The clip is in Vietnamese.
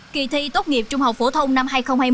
kỳ thi tốt nghiệp trung học phổ thông năm hai nghìn hai mươi